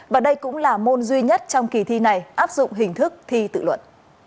và đây cũng là môn duy nhất trong kỳ thi này áp dụng hình thức thi tự luận